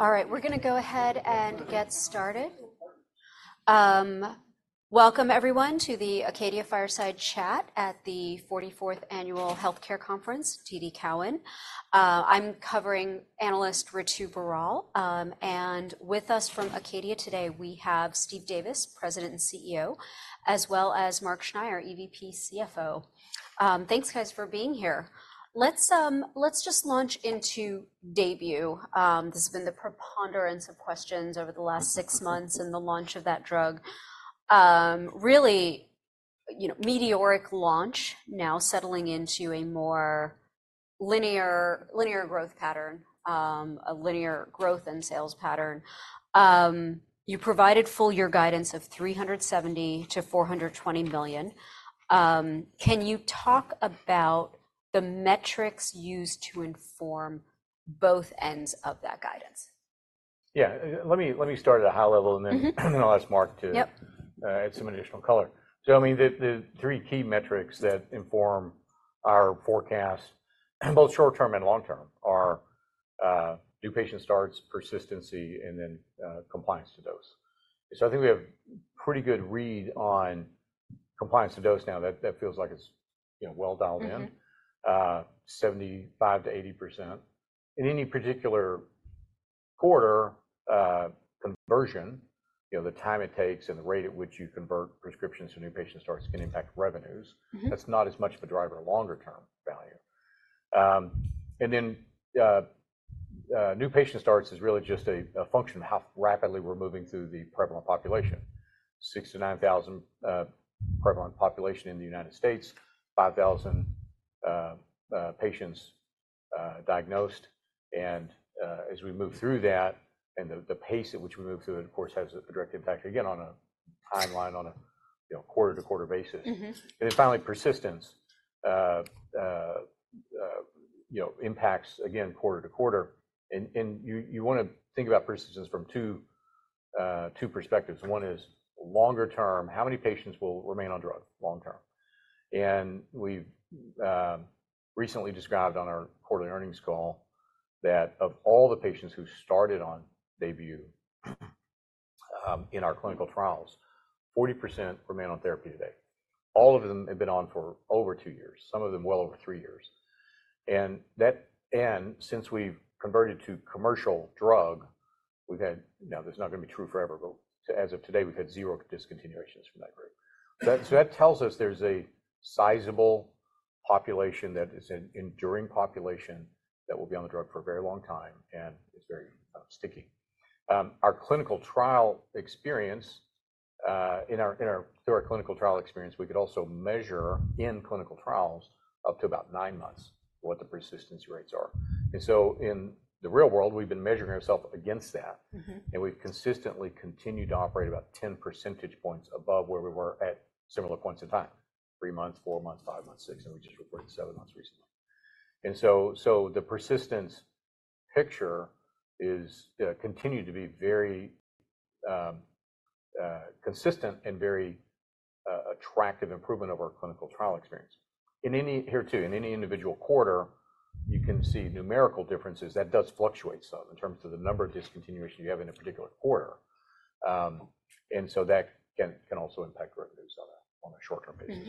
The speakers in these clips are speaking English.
All right, we're going to go ahead and get started. Welcome everyone to the Acadia Fireside Chat at the 44th Annual Healthcare Conference, TD Cowen. I'm covering analyst Ritu Baral, and with us from Acadia today we have Steve Davis, President and CEO, as well as Mark Schneyer, EVP CFO. Thanks, guys, for being here. Let's just launch into DAYBUE. This has been the preponderance of questions over the last six months and the launch of that drug. Really, you know, meteoric launch now settling into a more linear, linear growth pattern, a linear growth and sales pattern. You provided full-year guidance of $370 million-$420 million. Can you talk about the metrics used to inform both ends of that guidance? Yeah, let me start at a high level and then, then I'll ask Mark to add some additional color. So, I mean, the three key metrics that inform our forecast, both short-term and long-term, are new patient starts, persistency, and then compliance to dose. So I think we have a pretty good read on compliance to dose now. That feels like it's, you know, well dialed in, 75%-80%. In any particular quarter, conversion, you know, the time it takes and the rate at which you convert prescriptions to new patient starts can impact revenues. That's not as much of a driver in longer-term value. And then, new patient starts is really just a function of how rapidly we're moving through the prevalent population. 6,000-9,000 prevalent population in the United States, 5,000 patients diagnosed. As we move through that, and the pace at which we move through it, of course, has a direct impact, again, on a timeline, you know, quarter to quarter basis. And then finally, persistence, you know, impacts, again, quarter to quarter. And you want to think about persistence from two perspectives. One is longer-term, how many patients will remain on drugs long-term? And we've recently described on our quarterly earnings call that of all the patients who started on DAYBUE, in our clinical trials, 40% remain on therapy today. All of them have been on for over two years, some of them well over three years. And that, and since we've converted to commercial drug, we've had, now this is not going to be true forever, but as of today, we've had zero discontinuations from that group. So that tells us there's a sizable population that is an enduring population that will be on the drug for a very long time, and it's very sticky. Through our clinical trial experience, we could also measure in clinical trials up to about 9 months what the persistency rates are. And so in the real world, we've been measuring ourselves against that, and we've consistently continued to operate about 10 percentage points above where we were at similar points in time, 3 months, 4 months, 5 months, 6 months, and we just reported 7 months recently. And so the persistence picture continued to be very consistent and very attractive improvement of our clinical trial experience. Here too, in any individual quarter, you can see numerical differences. That does fluctuate some in terms of the number of discontinuations you have in a particular quarter. That can also impact revenues on a short-term basis.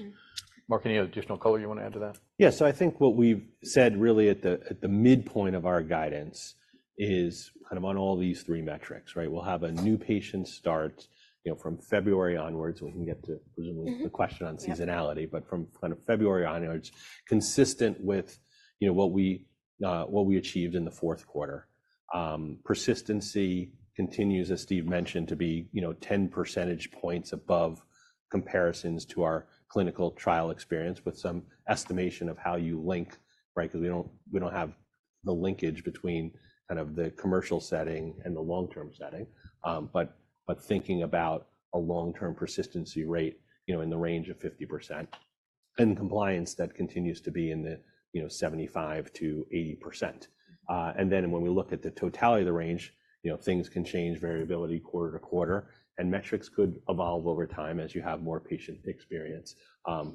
Mark, any additional color you want to add to that? Yeah, so I think what we've said really at the midpoint of our guidance is kind of on all these three metrics, right? We'll have a new patient start, you know, from February onwards, and we can get to presumably the question on seasonality, but from kind of February onwards, consistent with, you know, what we achieved in the fourth quarter. Persistency continues, as Steve mentioned, to be, you know, 10 percentage points above comparisons to our clinical trial experience with some estimation of how you link, right? Because we don't have the linkage between kind of the commercial setting and the long-term setting, but thinking about a long-term persistency rate, you know, in the range of 50% and compliance that continues to be in the, you know, 75%-80%. And then when we look at the totality of the range, you know, things can change variability quarter to quarter, and metrics could evolve over time as you have more patient experience,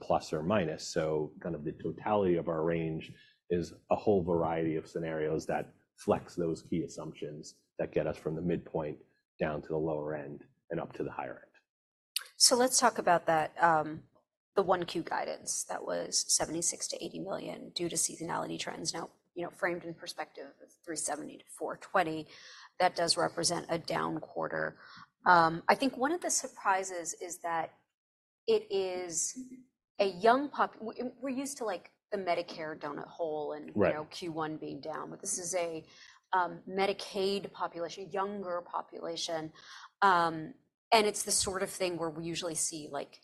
plus or minus. So kind of the totality of our range is a whole variety of scenarios that flex those key assumptions that get us from the midpoint down to the lower end and up to the higher end. So let's talk about that, the Q1 guidance that was $76 million-$80 million due to seasonality trends. Now, you know, framed in perspective of $370 million-$420 million, that does represent a down quarter. I think one of the surprises is that it is a young population. We're used to, like, the Medicare donut hole and, you know, Q1 being down, but this is a Medicaid population, younger population, and it's the sort of thing where we usually see, like,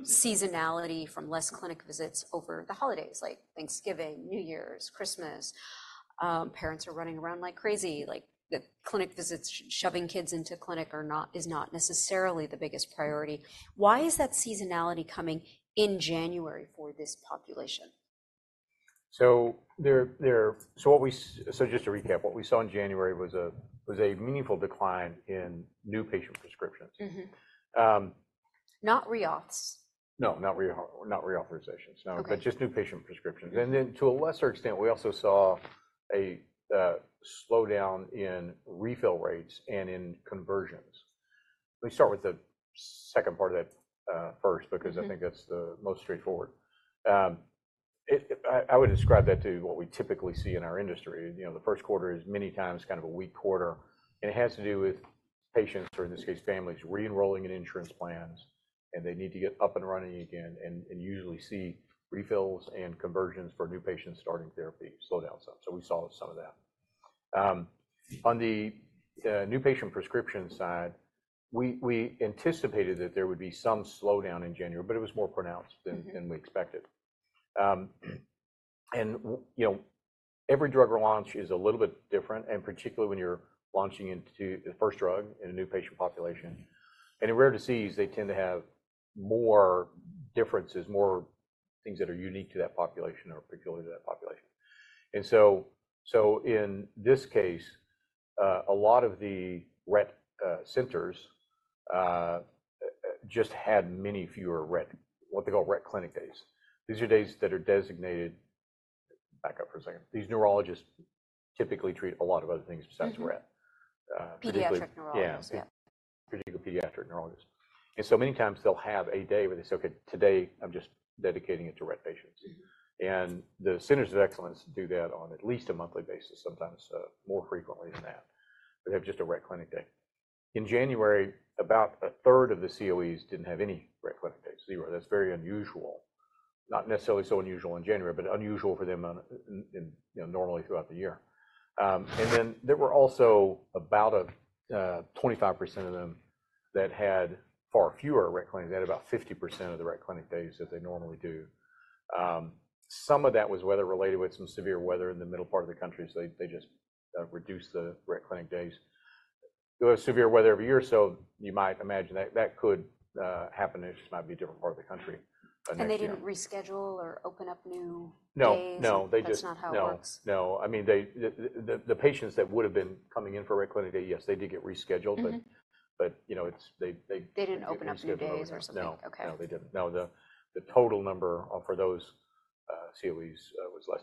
seasonality from less clinic visits over the holidays, like Thanksgiving, New Year's, Christmas. Parents are running around like crazy, like the clinic visits, shoving kids into clinic is not necessarily the biggest priority. Why is that seasonality coming in January for this population? So, just to recap, what we saw in January was a meaningful decline in new patient prescriptions. not re-auths? No, not reauthorizations. No, but just new patient prescriptions. Then to a lesser extent, we also saw a slowdown in refill rates and in conversions. Let me start with the second part of that first, because I think that's the most straightforward. I would describe that to what we typically see in our industry. You know, the first quarter is many times kind of a weak quarter, and it has to do with patients, or in this case, families re-enrolling in insurance plans, and they need to get up and running again and usually see refills and conversions for new patients starting therapy slow down some. So we saw some of that. On the new patient prescription side, we anticipated that there would be some slowdown in January, but it was more pronounced than we expected. And, you know, every drug launch is a little bit different, and particularly when you're launching into the first drug in a new patient population. And in rare disease, they tend to have more differences, more things that are unique to that population or particular to that population. And so, so in this case, a lot of the Rett centers just had many fewer Rett, what they call Rett clinic days. These are days that are designated. Back up for a second, these neurologists typically treat a lot of other things besides Rett. Pediatric neurologists. Yeah, yeah. Pediatric neurologists. And so many times they'll have a day where they say, "Okay, today I'm just dedicating it to Rett patients." And the centers of excellence do that on at least a monthly basis, sometimes more frequently than that. They have just a Rett clinic day. In January, about a third of the COEs didn't have any Rett clinic days, 0. That's very unusual. Not necessarily so unusual in January, but unusual for them in you know, normally throughout the year. And then there were also about 25% of them that had far fewer Rett clinics; they had about 50% of the Rett clinic days that they normally do. Some of that was weather related with some severe weather in the middle part of the country, so they just reduced the Rett clinic days. There was severe weather every year, so you might imagine that could happen. It just might be a different part of the country. They didn't reschedule or open up new days? No, no, they just. That's not how it works? No, no. I mean, they, the patients that would have been coming in for a Rett clinic day, yes, they did get rescheduled, but, you know, it's, they. They didn't open up new days or something? No, no, they didn't. No, the total number for those COEs was less.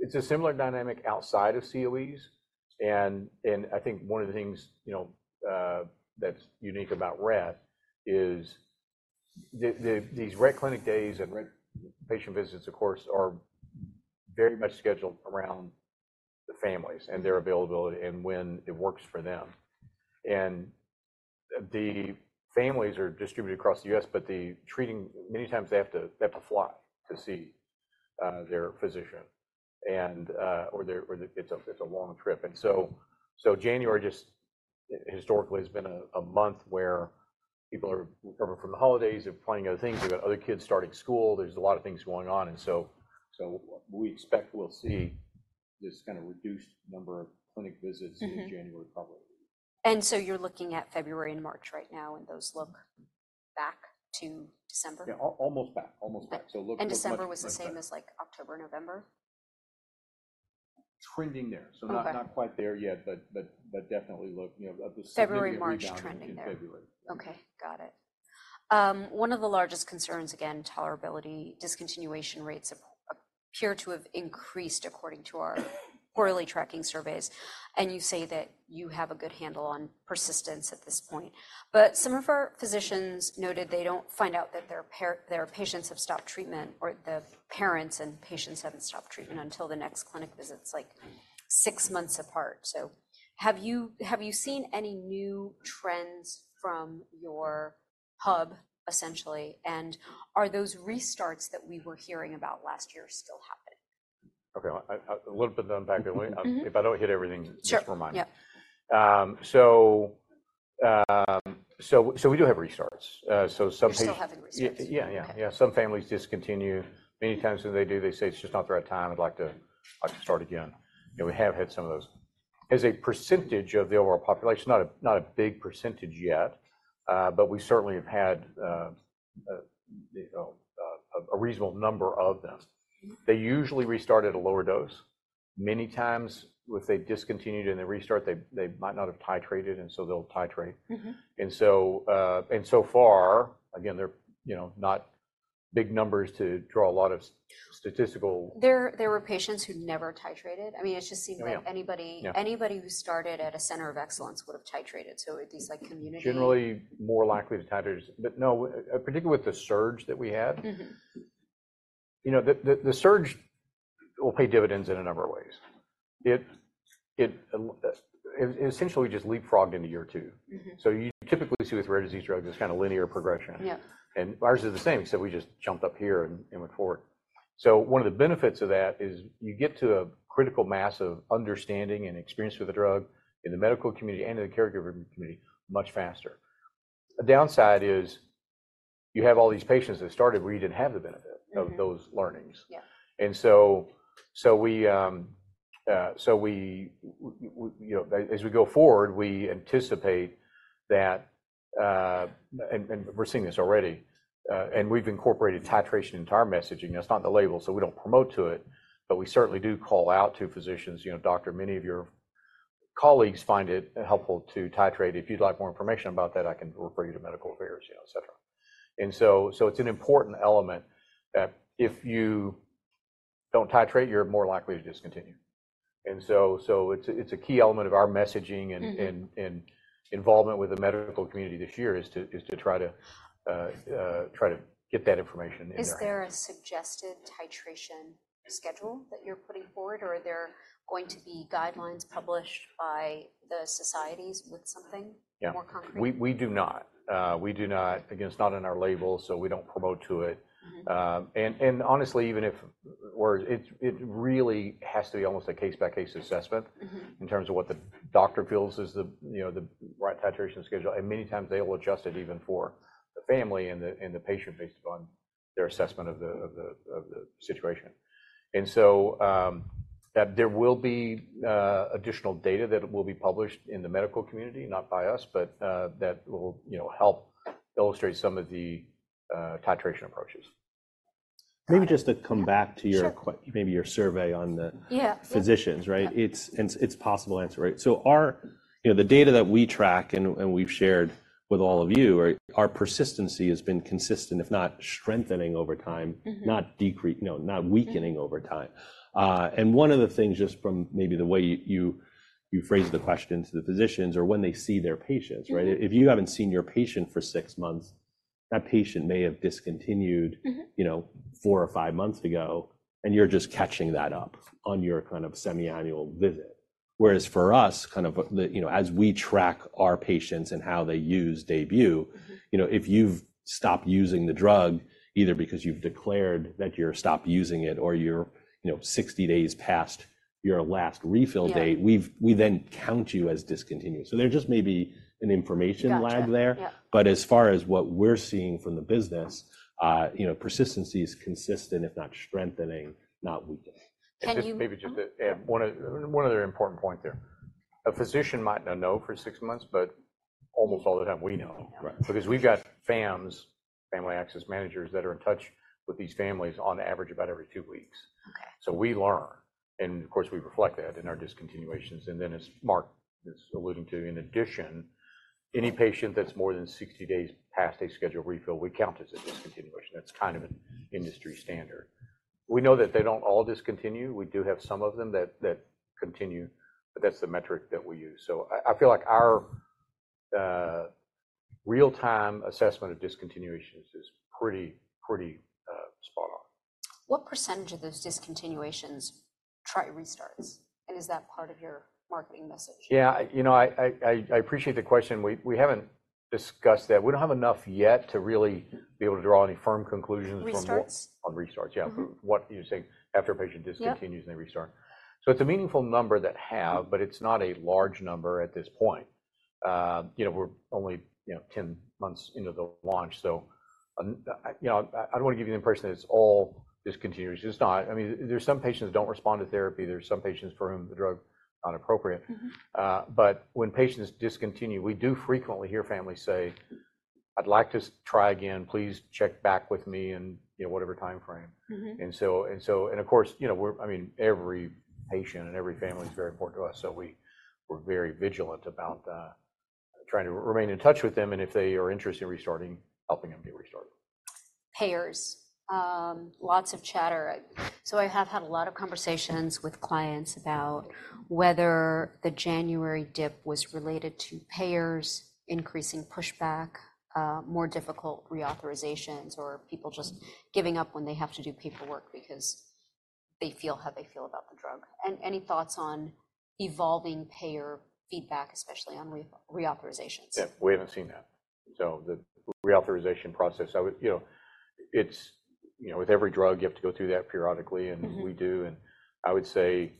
It's a similar dynamic outside of COEs. I think one of the things, you know, that's unique about RET is the these RET clinic days and RET patient visits, of course, are very much scheduled around the families and their availability and when it works for them. The families are distributed across the U.S., but the treating, many times they have to fly to see their physician. Or they're, or it's a long trip. January just historically has been a month where people are recovering from the holidays, they're planning other things, they've got other kids starting school, there's a lot of things going on. And so, we expect we'll see this kind of reduced number of clinic visits in January probably. So you're looking at February and March right now, and those look back to December? Yeah, almost back, almost back. So look over. December was the same as like October, November? Trending there. So not quite there yet, but definitely look, you know, the same kind of trending there. February, March trending there? Okay, got it. One of the largest concerns, again, tolerability, discontinuation rates appear to have increased according to our quarterly tracking surveys. You say that you have a good handle on persistence at this point. But some of our physicians noted they don't find out that their parent, their patients have stopped treatment, or the parents and patients haven't stopped treatment until the next clinic visit. It's like six months apart. So have you, have you seen any new trends from your hub, essentially? And are those restarts that we were hearing about last year still happening? Okay, a little bit of them back in the way. If I don't hit everything, just remind me. So we do have restarts. So some patients. You're still having restarts? Yeah, yeah, yeah. Some families discontinue. Many times when they do, they say it's just not the right time. I'd like to, I'd like to start again. You know, we have had some of those. As a percentage of the overall population, not a, not a big percentage yet, but we certainly have had, you know, a reasonable number of them. They usually restart at a lower dose. Many times if they discontinued and they restart, they, they might not have titrated, and so they'll titrate. And so, and so far, again, they're, you know, not big numbers to draw a lot of statistical. There were patients who never titrated? I mean, it just seemed like anybody, anybody who started at a center of excellence would have titrated. So are these like community? Generally more likely to titrate, but no, particularly with the surge that we had. You know, the surge will pay dividends in a number of ways. It essentially just leapfrogged into year two. So you typically see with rare disease drugs, it's kind of linear progression. And ours is the same. So we just jumped up here and went forward. So one of the benefits of that is you get to a critical mass of understanding and experience with the drug in the medical community and in the caregiver community much faster. A downside is you have all these patients that started where you didn't have the benefit of those learnings. And so we, you know, as we go forward, we anticipate that, and we're seeing this already. And we've incorporated titration into our messaging. That's not the label, so we don't promote to it. But we certainly do call out to physicians, you know, doctor, many of your colleagues find it helpful to titrate. If you'd like more information about that, I can refer you to medical affairs, you know, etc. And so it's an important element that if you don't titrate, you're more likely to discontinue. And so it's a key element of our messaging and involvement with the medical community this year is to try to get that information in there. Is there a suggested titration schedule that you're putting forward, or are there going to be guidelines published by the societies with something more concrete? We do not. We do not, again. It's not on our label, so we don't promote to it. And honestly, it really has to be almost a case-by-case assessment in terms of what the doctor feels is, you know, the right titration schedule. And many times they will adjust it even for the family and the patient based upon their assessment of the situation. And so, there will be additional data that will be published in the medical community, not by us, but that will, you know, help illustrate some of the titration approaches. Maybe just to come back to your question, maybe your survey on the physicians, right? It's possible answer, right? So our, you know, the data that we track and we've shared with all of you, our persistency has been consistent, if not strengthening over time, not decreasing, you know, not weakening over time. And one of the things just from maybe the way you phrase the question to the physicians are when they see their patients, right? If you haven't seen your patient for 6 months, that patient may have discontinued, you know, 4 or 5 months ago, and you're just catching that up on your kind of semi-annual visit. Whereas for us, kind of the, you know, as we track our patients and how they use DAYBUE, you know, if you've stopped using the drug, either because you've declared that you're stopped using it or you're, you know, 60 days past your last refill date, we then count you as discontinued. So there just may be an information lag there. But as far as what we're seeing from the business, you know, persistency is consistent, if not strengthening, not weakening. Can you maybe just add one of, one other important point there? A physician might not know for six months, but almost all the time we know, because we've got FAMs, family access managers that are in touch with these families on average about every two weeks. So we learn. And of course, we reflect that in our discontinuations. And then as Mark is alluding to, in addition, any patient that's more than 60 days past a scheduled refill, we count as a discontinuation. That's kind of an industry standard. We know that they don't all discontinue. We do have some of them that, that continue, but that's the metric that we use. So I feel like our, real-time assessment of discontinuations is pretty, pretty, spot on. What percentage of those discontinuations try restarts? Is that part of your marketing message? Yeah, you know, I appreciate the question. We haven't discussed that. We don't have enough yet to really be able to draw any firm conclusions from what. Restarts? On restarts, yeah. What you're saying, after a patient discontinues and they restart. So it's a meaningful number that have, but it's not a large number at this point. You know, we're only, you know, 10 months into the launch. So, you know, I don't want to give you the impression that it's all discontinuations. It's not. I mean, there's some patients that don't respond to therapy. There's some patients for whom the drug is not appropriate. But when patients discontinue, we do frequently hear families say, "I'd like to try again. Please check back with me in, you know, whatever timeframe." And so, and so, and of course, you know, we're, I mean, every patient and every family is very important to us. So we're very vigilant about, trying to remain in touch with them. And if they are interested in restarting, helping them get restarted. Payers, lots of chatter. So I have had a lot of conversations with clients about whether the January dip was related to payers increasing pushback, more difficult reauthorizations, or people just giving up when they have to do paperwork because they feel how they feel about the drug. And any thoughts on evolving payer feedback, especially on reauthorizations? Yeah, we haven't seen that. So the reauthorization process, I would, you know, it's, you know, with every drug, you have to go through that periodically, and we do. And I would say,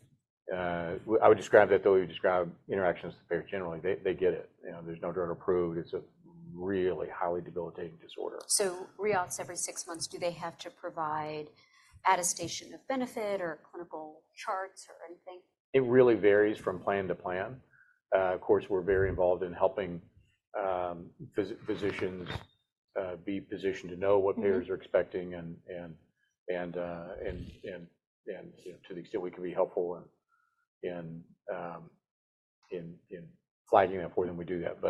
I would describe that the way we describe interactions with the payer generally, they, they get it. You know, there's no drug approved. It's a really highly debilitating disorder. Reauths every six months, do they have to provide attestation of benefit or clinical charts or anything? It really varies from plan to plan. Of course, we're very involved in helping physicians be positioned to know what payers are expecting and, you know, to the extent we can be helpful in flagging that for them, we do that.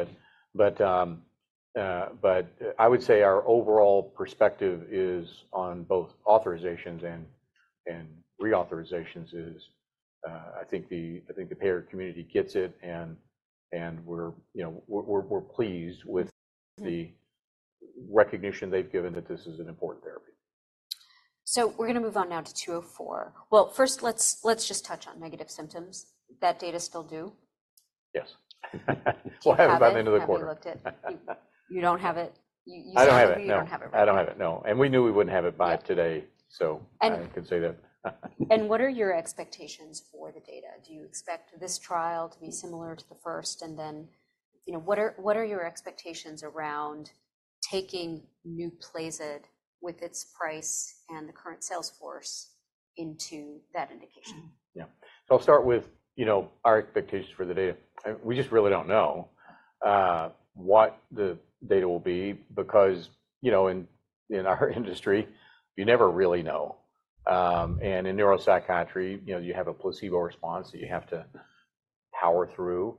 But I would say our overall perspective is on both authorizations and reauthorizations is, I think the payer community gets it and we're, you know, pleased with the recognition they've given that this is an important therapy. So we're going to move on now to 204. Well, first, let's just touch on negative symptoms. That data still due? Yes. We'll have it by the end of the quarter. Have you looked at it? You don't have it? You said you don't have it, right? I don't have it, no. And we knew we wouldn't have it by today. So I can say that. What are your expectations for the data? Do you expect this trial to be similar to the first? And then, you know, what are your expectations around taking NUPLAZID with its price and the current sales force into that indication? Yeah. So I'll start with, you know, our expectations for the data. We just really don't know what the data will be because, you know, in our industry, you never really know. In neuropsychiatry, you know, you have a placebo response that you have to power through.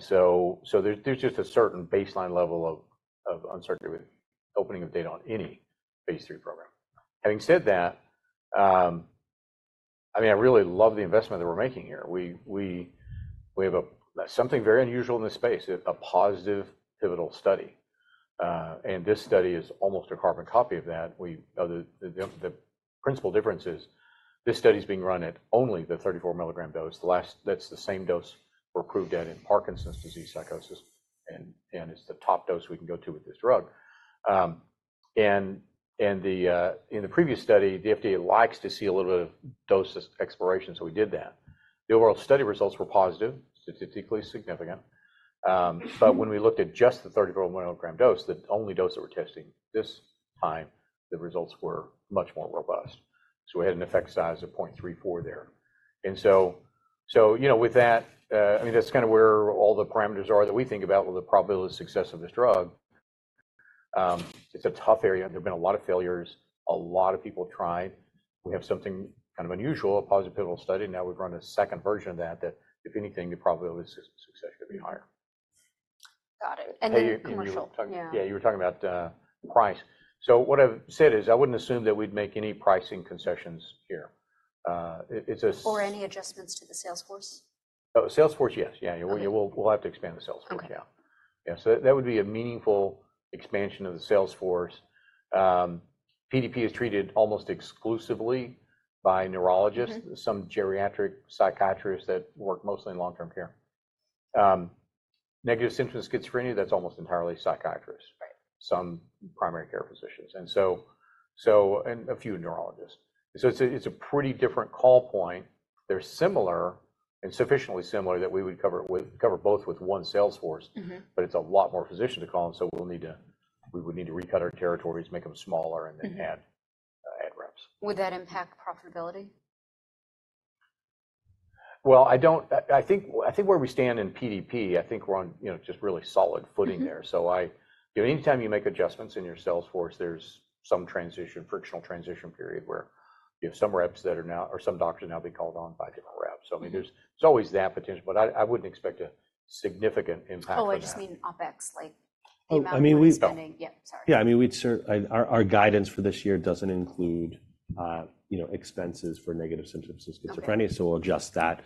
So there's just a certain baseline level of uncertainty with opening of data on any phase 3 program. Having said that, I mean, I really love the investment that we're making here. We have something very unusual in this space, a positive pivotal study. This study is almost a carbon copy of that. The principal difference is this study is being run at only the 34 milligram dose. That's the same dose we're approved at in Parkinson’s disease psychosis. It's the top dose we can go to with this drug. In the previous study, the FDA likes to see a little bit of dose exploration. So we did that. The overall study results were positive, statistically significant, but when we looked at just the 34 milligram dose, the only dose that we're testing this time, the results were much more robust. So we had an effect size of 0.34 there. You know, with that, I mean, that's kind of where all the parameters are that we think about with the probability of success of this drug. It's a tough area. There've been a lot of failures. A lot of people tried. We have something kind of unusual, a positive pivotal study. Now we've run a second version of that, if anything, the probability of success could be higher. Got it. And the commercial? Yeah, you were talking about price. So what I've said is I wouldn't assume that we'd make any pricing concessions here. It's a. Or any adjustments to the sales force? Oh, sales force, yes. Yeah, yeah, we'll, we'll, we'll have to expand the sales force. Yeah. Yeah. So that would be a meaningful expansion of the sales force. PDP is treated almost exclusively by neurologists, some geriatric psychiatrists that work mostly in long-term care. Negative symptoms schizophrenia, that's almost entirely psychiatrists, some primary care physicians. And so, so, and a few neurologists. So it's a, it's a pretty different call point. They're similar and sufficiently similar that we would cover it with, cover both with one sales force, but it's a lot more physicians to call. And so we'll need to, we would need to recut our territories, make them smaller, and then add, add reps. Would that impact profitability? Well, I don't, I think, I think where we stand in PDP, I think we're on, you know, just really solid footing there. So I, you know, anytime you make adjustments in your sales force, there's some transition, frictional transition period where you have some reps that are now, or some doctors now be called on by different reps. So I mean, there's, there's always that potential, but I, I wouldn't expect a significant impact on that. Oh, I just mean OpEx, like the amount of expending. Oh, I mean, we'd start. Yeah, sorry. Yeah, I mean, we'd start our guidance for this year doesn't include, you know, expenses for negative symptoms of schizophrenia. So we'll adjust that,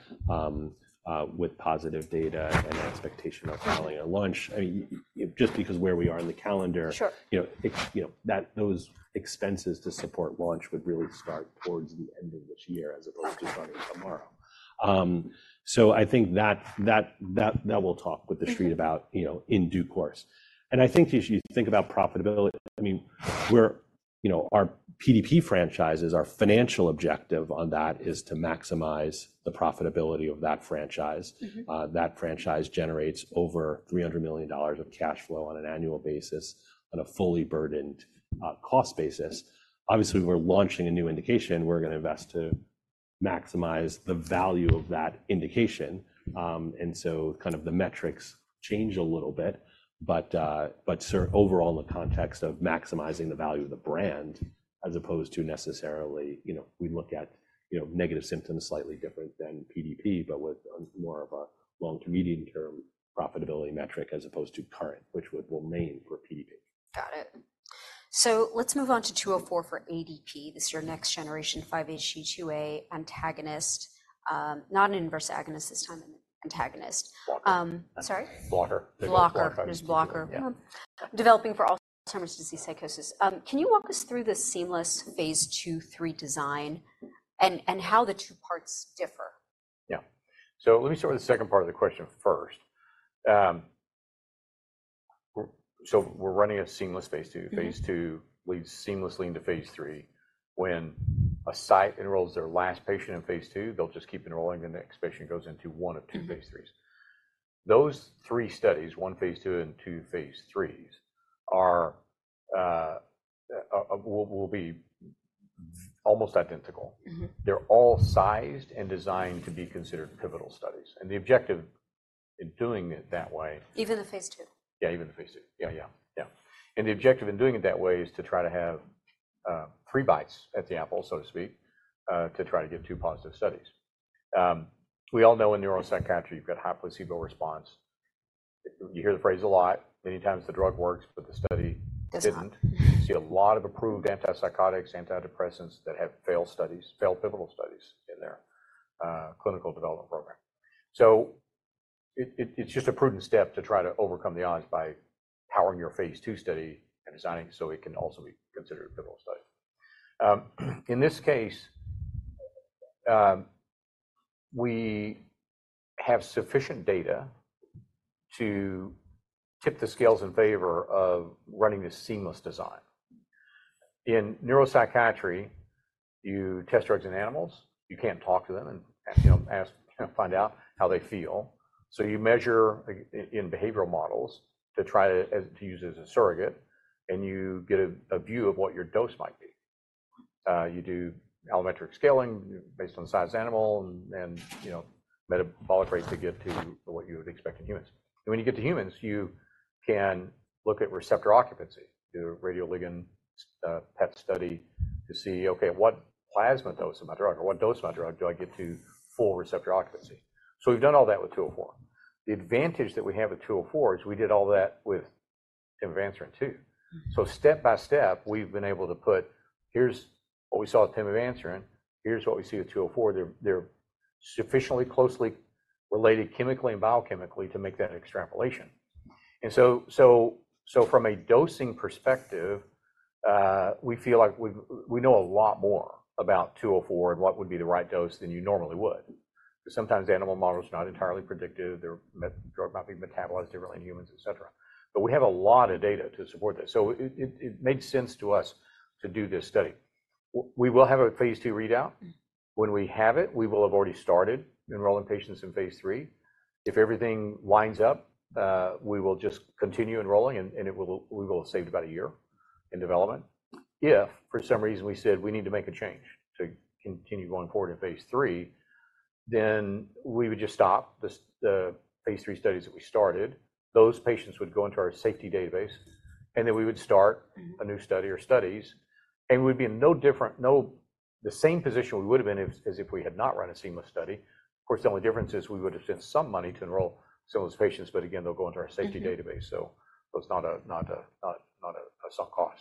with positive data and expectation of following a launch. I mean, just because where we are in the calendar, you know, it, you know, that those expenses to support launch would really start towards the end of this year as opposed to starting tomorrow. So I think that we'll talk with the street about, you know, in due course. And I think if you think about profitability, I mean, we're, you know, our PDP franchise, our financial objective on that is to maximize the profitability of that franchise. That franchise generates over $300 million of cash flow on an annual basis on a fully burdened, cost basis. Obviously, we're launching a new indication. We're going to invest to maximize the value of that indication. So kind of the metrics change a little bit. But overall in the context of maximizing the value of the brand as opposed to necessarily, you know, we look at, you know, negative symptoms slightly different than PDP, but with more of a long-to-medium term profitability metric as opposed to current, which would remain for PDP. Got it. So let's move on to 204 for ADP. This is your next generation 5-HT2A antagonist, not an inverse agonist this time, antagonist. Sorry? Blocker. Blocker. There's blocker. Developing for Alzheimer’s disease psychosis. Can you walk us through the seamless phase 2, 3 design and how the two parts differ? Yeah. So let me start with the second part of the question first. So we're running a seamless phase 2. Phase 2 leads seamlessly into phase 3. When a site enrolls their last patient in phase 2, they'll just keep enrolling. The next patient goes into one of two phase 3s. Those three studies, one phase 2 and two phase 3s, are, will be almost identical. They're all sized and designed to be considered pivotal studies. And the objective in doing it that way. Even the phase 2? Yeah, even the phase two. Yeah, yeah, yeah. And the objective in doing it that way is to try to have 3 bites at the apple, so to speak, to try to get 2 positive studies. We all know in neuropsychiatry, you've got high placebo response. You hear the phrase a lot. Many times the drug works, but the study didn't. You see a lot of approved antipsychotics, antidepressants that have failed studies, failed pivotal studies in their clinical development program. So it's just a prudent step to try to overcome the odds by powering your phase two study and designing it so it can also be considered a pivotal study. In this case, we have sufficient data to tip the scales in favor of running this seamless design. In neuropsychiatry, you test drugs in animals. You can't talk to them and, you know, ask, find out how they feel. So you measure in behavioral models to try to use as a surrogate. You get a view of what your dose might be. You do allometric scaling based on the size of the animal and, you know, metabolic rate to get to what you would expect in humans. When you get to humans, you can look at receptor occupancy, the radioligand, PET study to see, okay, at what plasma dose of my drug or what dose of my drug do I get to full receptor occupancy? So we've done all that with 204. The advantage that we have with 204 is we did all that with pimavanserin too. So step by step, we've been able to put, here's what we saw with pimavanserin. Here's what we see with 204. They're, they're sufficiently closely related chemically and biochemically to make that extrapolation. So from a dosing perspective, we feel like we know a lot more about 204 and what would be the right dose than you normally would. Because sometimes the animal model is not entirely predictive. Their drug might be metabolized differently in humans, etc. But we have a lot of data to support this. So it made sense to us to do this study. We will have a phase 2 readout. When we have it, we will have already started enrolling patients in phase 3. If everything lines up, we will just continue enrolling and we will have saved about a year in development. If for some reason we said we need to make a change to continue going forward in phase 3, then we would just stop the phase 3 studies that we started. Those patients would go into our safety database. And then we would start a new study or studies. And we'd be in no different, no, the same position we would have been as if we had not run a seamless study. Of course, the only difference is we would have sent some money to enroll some of those patients, but again, they'll go into our safety database. So it's not a sunk cost.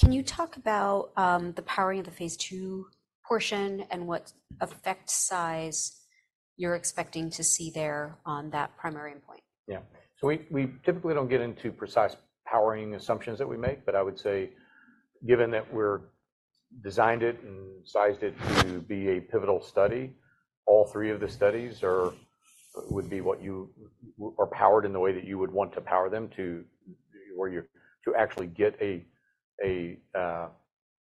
Can you talk about the powering of the phase 2 portion and what effect size you're expecting to see there on that primary endpoint? Yeah. So we typically don't get into precise powering assumptions that we make, but I would say given that we're designed it and sized it to be a pivotal study, all three of the studies would be what you are powered in the way that you would want to power them to, where you're to actually get a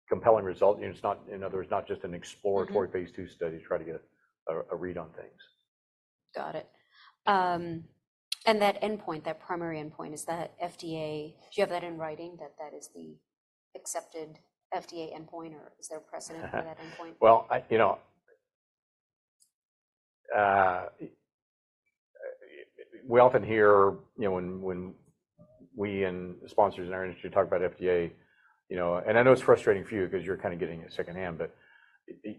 compelling result. You know, it's not, in other words, not just an exploratory phase two study to try to get a read on things. Got it. And that endpoint, that primary endpoint, is that FDA, do you have that in writing that that is the accepted FDA endpoint or is there a precedent for that endpoint? Well, you know, we often hear, you know, when we and sponsors in our industry talk about FDA, you know, and I know it's frustrating for you because you're kind of getting it secondhand, but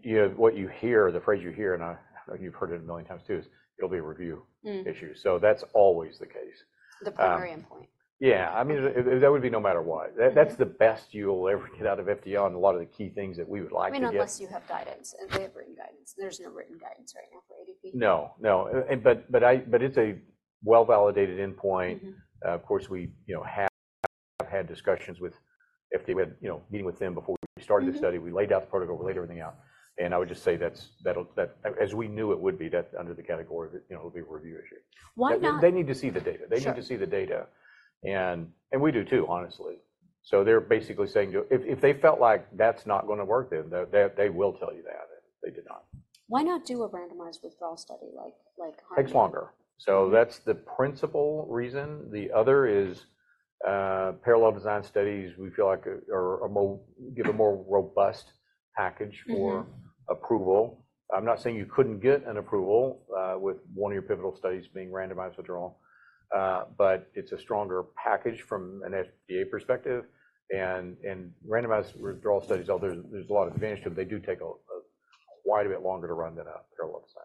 you know, what you hear, the phrase you hear, and I don't know if you've heard it a million times too, is it'll be a review issue. So that's always the case. The primary endpoint. Yeah. I mean, that would be no matter what. That's the best you'll ever get out of FDA on a lot of the key things that we would like to get. I mean, unless you have guidance and they have written guidance. There's no written guidance right now for ADP. No, no. But it's a well-validated endpoint. Of course, we, you know, have had discussions with FDA, you know, meeting with them before we started this study. We laid out the protocol, we laid everything out. And I would just say that's as we knew it would be, that under the category of it, you know, it'll be a review issue. Why not? They need to see the data. They need to see the data. And we do too, honestly. So they're basically saying to, if they felt like that's not going to work then, they will tell you that. They did not. Why not do a randomized withdrawal study like, like? Takes longer. So that's the principal reason. The other is, parallel design studies, we feel like are given a more robust package for approval. I'm not saying you couldn't get an approval, with one of your pivotal studies being randomized withdrawal. But it's a stronger package from an FDA perspective. And randomized withdrawal studies, although there's a lot of advantage to them, they do take quite a bit longer to run than a parallel design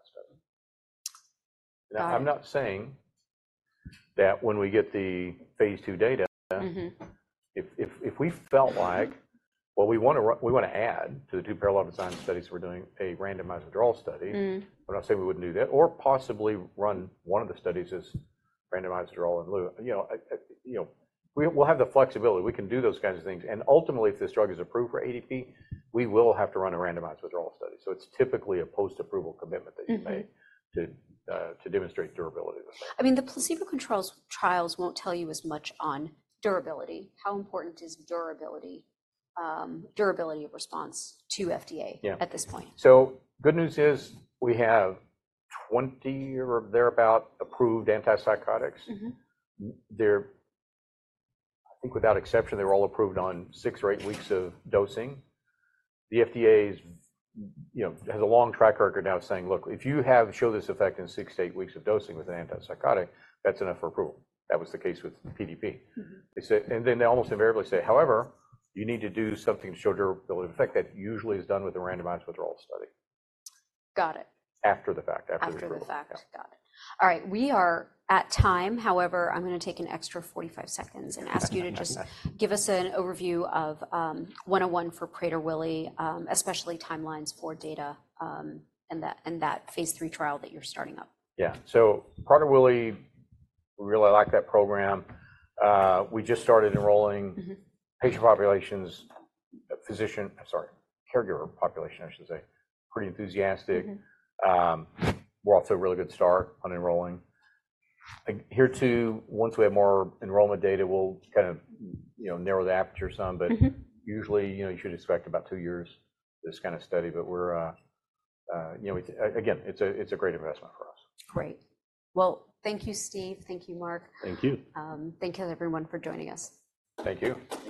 study. Now, I'm not saying that when we get the phase two data, if we felt like, well, we want to run, we want to add to the two parallel design studies that we're doing a randomized withdrawal study, I'm not saying we wouldn't do that, or possibly run one of the studies as randomized withdrawal in lieu, you know, you know, we'll have the flexibility. We can do those kinds of things. And ultimately, if this drug is approved for ADP, we will have to run a randomized withdrawal study. So it's typically a post-approval commitment that you make to demonstrate durability of the study. I mean, the placebo controls trials won't tell you as much on durability. How important is durability, durability of response to FDA at this point? Yeah. So good news is we have 20 or thereabout approved antipsychotics. They're, I think without exception, they were all approved on 6 or 8 weeks of dosing. The FDA, you know, has a long track record now saying, look, if you have shown this effect in 6-8 weeks of dosing with an antipsychotic, that's enough for approval. That was the case with PDP. They say, and then they almost invariably say, however, you need to do something to show durability of effect that usually is done with a randomized withdrawal study. Got it. After the fact, after the approval. After the fact. Got it. All right. We are at time. However, I'm going to take an extra 45 seconds and ask you to just give us an overview of 101 for Prader-Willi, especially timelines for data, and that, and that phase 3 trial that you're starting up. Yeah. So Prader-Willi, we really like that program. We just started enrolling patient populations, physician, I'm sorry, caregiver population, I should say, pretty enthusiastic. We're also a really good start on enrolling. Here too, once we have more enrollment data, we'll kind of, you know, narrow the aperture some, but usually, you know, you should expect about two years this kind of study, but we're, you know, again, it's a, it's a great investment for us. Great. Well, thank you, Steve. Thank you, Mark. Thank you. Thank you to everyone for joining us. Thank you.